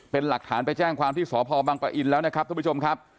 เป็นหลักฐานไปแจ้งความที่สพบังปะอินแล้วนะครับทุกผู้ชมครับ